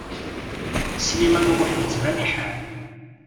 Sliman U Muḥ yettban iḥar.